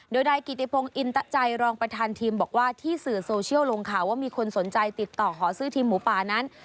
โดยนายกิติพงศ์อินตะใจรองประธานทีมบอกว่าที่สื่อโซเชียลลงข่าวว่ามีคนสนใจติดต่อขอซื้อทีมหมูป่านั้น